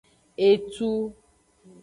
Etu.